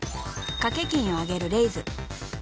［賭け金を上げるレイズ］